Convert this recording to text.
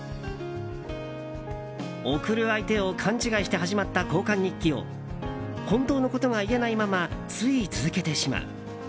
送る相手を勘違いして始まった交換日記を本当のことが言えないままつい続けてしまう。